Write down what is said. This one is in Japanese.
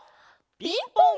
「ピンポン」！